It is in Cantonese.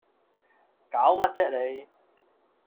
攪乜啫你